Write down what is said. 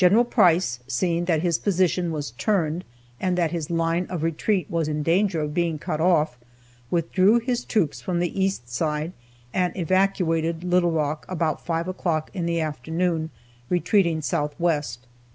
Price, seeing that his position was turned and that his line of retreat was in danger of being cut off, withdrew his troops from the east side and evacuated Little Rock about five o'clock in the afternoon, retreating southwest.